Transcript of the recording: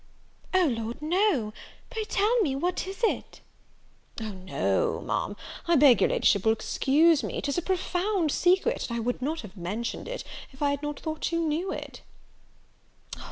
"O Lord, no: pray tell me what it is?" "O no, Ma'am, I beg your La'ship will excuse me; 'tis a profound secret, and I would not have mentioned it, if I had not thought you knew it."